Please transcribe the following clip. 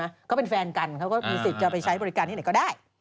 เขาเป็นแฟนกันเขาก็มีสิทธิ์จะไปใช้บริการที่ไหนก็ได้